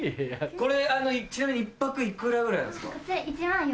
これちなみに１泊幾らぐらいなんですか？